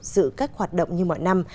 giữ các hoạt động như mọi năm